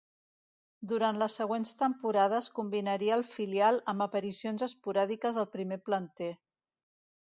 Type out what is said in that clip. Durant les següents temporades combinaria el filial amb aparicions esporàdiques al primer planter.